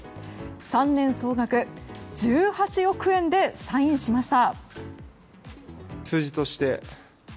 ３年総額１８億円でサインしました。